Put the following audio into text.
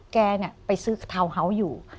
แกไปซื้อทาวน์เฮาส์อยู่